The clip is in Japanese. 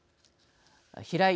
平井